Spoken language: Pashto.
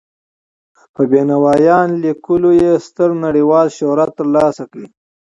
په بینوایان لیکلو یې ستر نړیوال شهرت تر لاسه کړی.